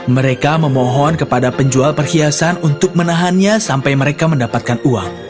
mereka memohon kepada penjual perhiasan untuk menahannya sampai mereka mendapatkan uang